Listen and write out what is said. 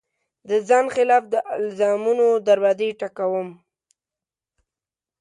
د ځان خلاف د الزامونو دروازې ټک وم